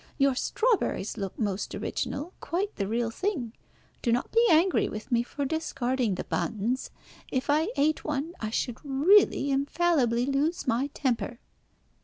Your strawberries look most original, quite the real thing. Do not be angry with me for discarding the buns. If I ate one, I should really infallibly lose my temper."